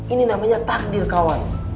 ini namanya takdir kawan